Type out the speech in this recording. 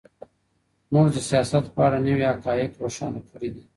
موږ د سياست په اړه نوي حقايق روښانه کړي دي.